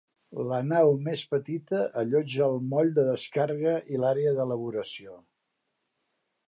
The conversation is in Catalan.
La nau més petita allotja el moll de descàrrega i l’àrea d’elaboració.